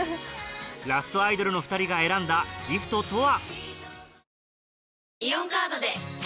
ラストアイドルの２人が選んだギフトとは？